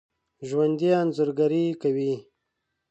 ژوندي انځورګري کوي